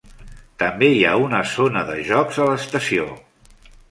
També hi ha una zona de jocs a l'estació.